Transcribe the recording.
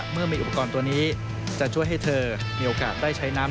เมื่อมีอุปกรณ์ตัวนี้จะช่วยให้เธอมีโอกาสได้ใช้น้ำ